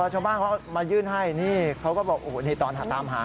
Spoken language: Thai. ชาวบ้านเขามายื่นให้นี่เขาก็บอกโอ้โหนี่ตอนหาตามหา